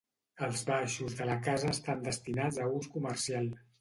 Els baixos de la casa estan destinats a ús comercial.